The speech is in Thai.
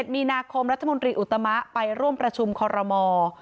มีนาคมรัฐมนตรีอุตมะไปร่วมประชุมคอรมอล์